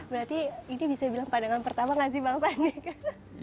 berarti ini bisa bilang pandangan pertama kan sih bang sandi